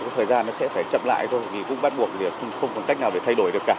thời gian nó sẽ phải chậm lại thôi vì cũng bắt buộc không có cách nào phải thay đổi được cả